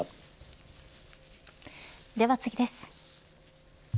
では次です。